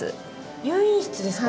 入院室ですか？